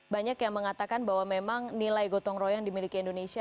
banyak yang mengatakan bahwa memang nilai gotong royong dimiliki indonesia